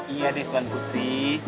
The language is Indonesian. iya deh tuan putri